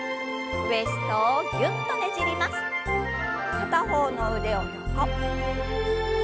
片方の腕を横。